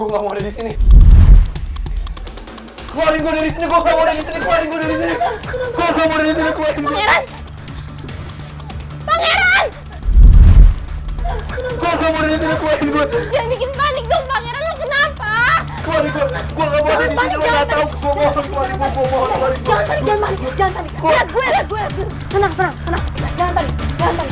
gua gak mau ada di sini